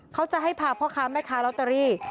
เขาจะให้พาพ่อค้าแม่ค้าลอตเตอรี่